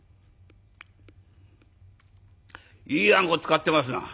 「いいあんこ使ってますな。